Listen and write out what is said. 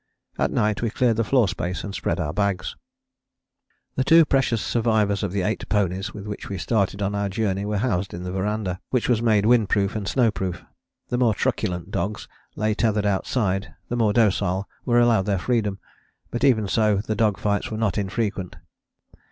At night we cleared the floor space and spread our bags. [Illustration: HUT POINT FROM OBSERVATION HILL] The two precious survivors of the eight ponies with which we started on our journey were housed in the verandah, which was made wind proof and snow proof. The more truculent dogs lay tethered outside, the more docile were allowed their freedom, but even so the dog fights were not infrequent.